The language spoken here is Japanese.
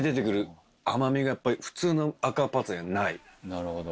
なるほど。